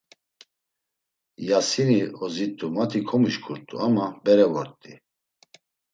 Yasini ozit̆u mati komişǩut̆u ama bere vort̆i.